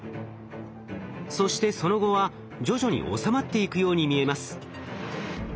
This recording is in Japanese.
そしてその後は徐々に収まっていくように見えます。